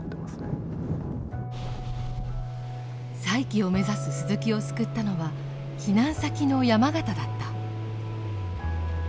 再起を目指す鈴木を救ったのは避難先の山形だった。